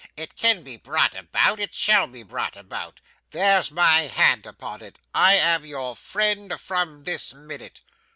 It can be brought about, it shall be brought about. There's my hand upon it; I am your friend from this minute.